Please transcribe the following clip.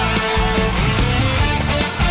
พบเลยไลค์